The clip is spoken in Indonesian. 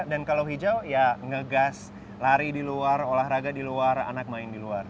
dan kalau hijau ya ngegas lari di luar olahraga di luar anak main di luar